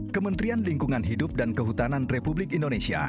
kementerian lingkungan hidup dan kehutanan republik indonesia